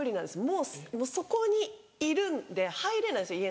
もうそこにいるんで入れないんですよ